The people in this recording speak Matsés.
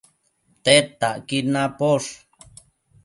Tedtacquid naposh